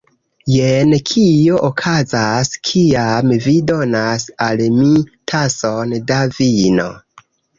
Jen kio okazas kiam vi donas al mi tason da vino